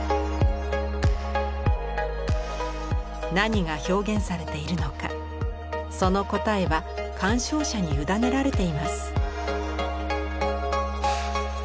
何が表現されているのかその答えは鑑賞者に委ねられています。